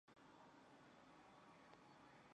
死前的女朋友苑琼丹陪伴在旁。